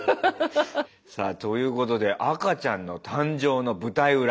さあということで赤ちゃんの誕生の舞台裏。